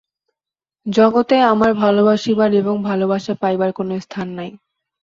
জগতে আমার ভালোবাসিবার এবং ভালোবাসা পাইবার কোনো স্থান নাই।